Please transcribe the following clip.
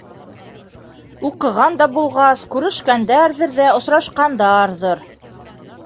Уҡыған да булғас, күрешкәндәрҙер ҙә осрашҡандарҙыр.